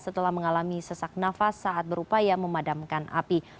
setelah mengalami sesak nafas saat berupaya memadamkan api